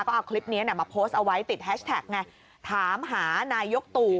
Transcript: ก็เอาคลิปนี้มาโพสต์เอาไว้ติดแฮชแท็กไงถามหานายกตู่